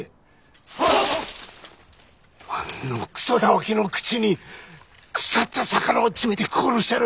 あんのくそたわけの口に腐った魚を詰めて殺してやる。